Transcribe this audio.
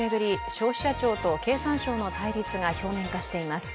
消費者庁と経産省の対立が表面化しています。